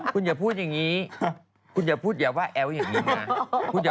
คุณอย่าพูดอย่างนี้คุณอย่าพูดอย่าว่าแอ้วอย่างนี้นะ